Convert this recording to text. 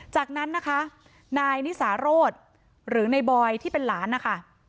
จากนั้นนะคะนายนิสาโรธหรือในบอยที่เป็นหลานนะคะ